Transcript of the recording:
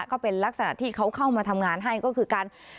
ก็เป็นลักษณะที่เขาเข้ามาทำงานให้ก็คือการ